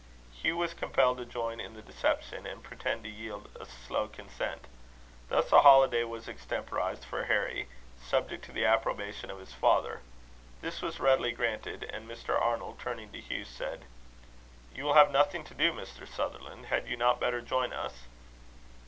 Hugh was compelled to join in the deception, and pretend to yield a slow consent. Thus a holiday was extemporised for Harry, subject to the approbation of his father. This was readily granted; and Mr. Arnold, turning to Hugh, said: "You will have nothing to do, Mr. Sutherland: had you not better join us?"